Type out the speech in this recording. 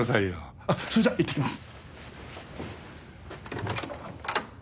あっそれじゃいってきます！